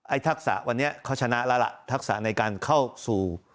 ทักษะวันนี้เขาชนะแล้วล่ะทักษะในการเข้าสู่